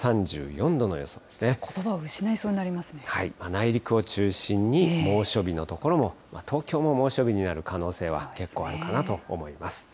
ことばを失いそうになります内陸を中心に、猛暑日の所も、東京も猛暑日になる可能性は結構あるかなと思います。